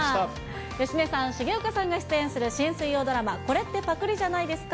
芳根さん、重岡さんが出演する新水曜ドラマ、これってぱくりじゃないですか？